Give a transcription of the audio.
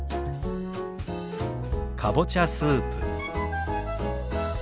「かぼちゃスープ」。